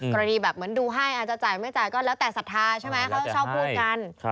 กรณีแบบเหมือนดูให้อาจจะจ่ายไม่จ่ายก็แล้วแต่ศรัทธาใช่ไหมเขาชอบพูดกัน